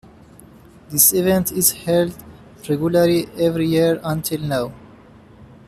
This event is held regularly every year until now.